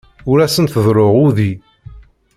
Ur asent-ḍelluɣ udi.